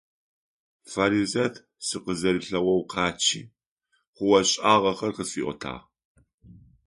Фаризэт сыкъызэрилъэгъоу къачъи, хъугъэ-шӀагъэхэр къысфиӀотагъ.